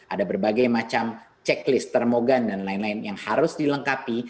ada berbagai macam checklist termogan dan lain lain yang harus dilengkapi